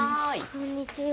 こんにちは。